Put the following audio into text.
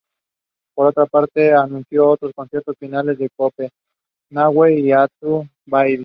Por otra parte, anunció otros conciertos finales en Copenhague y Abu Dhabi.